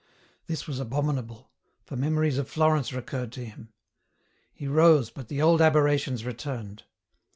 This was abominable ; for memories of Florence recurred to him. He rose, but the old aberrations returned.